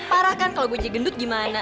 parah kan kalau gue jadi gendut gimana